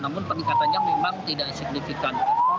namun peningkatannya memang tidak signifikan